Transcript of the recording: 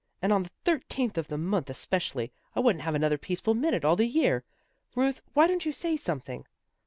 " And on the thirteenth of the month, especially. I wouldn't have another peaceful minute all the year. Ruth, why don't you say some thing?